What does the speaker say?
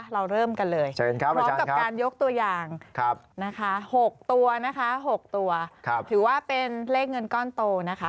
เราเริ่มกันเลยพร้อมกับการยกตัวอย่างนะคะ๖ตัวนะคะ๖ตัวถือว่าเป็นเลขเงินก้อนโตนะคะ